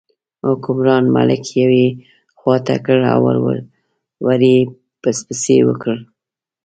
حکمران ملک یوې خوا ته کړ او ور یې پسپسي وکړل.